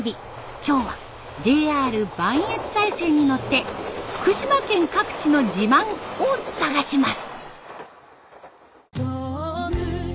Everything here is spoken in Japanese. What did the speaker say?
今日はＪＲ磐越西線に乗って福島県各地の自慢を探します。